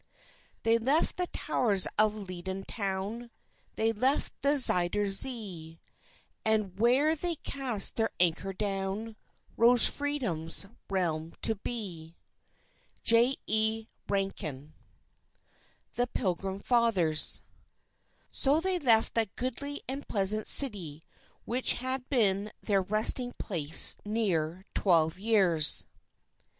__They left the towers of Leyden Town, They left the Zuyder Zee, And where they cast their anchor down, Rose Freedom's realm to be."_ J. E. RANKIN THE PILGRIM FATHERS _So they left that goodly and pleasant city which had been their resting place near twelve years.